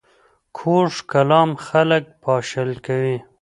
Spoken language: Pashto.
کوږ کلام خلک پاشل کوي